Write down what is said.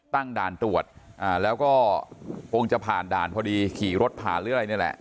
ตั้งด่านตรวจแล้วก็คงจะผ่านด่านพอดีขี่รถผ่านหรืออะไรนี่แหละ